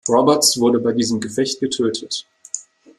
Roberts wurde bei diesem Gefecht getötet.